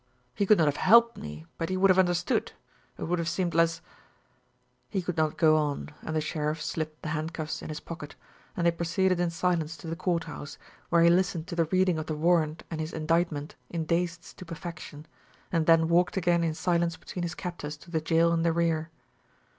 He could not have helped me but he would have understood it would have seemed less " He could not go on, and the sheriff slipped the handcuffs in his pocket, and they proceeded in silence to the courthouse, where he listened to the reading of the warrant and his indictment in dazed stupefaction, and then walked again in silence between his captors to the jail in the rear.